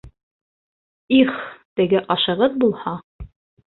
Их, теге ашығыҙ булһа!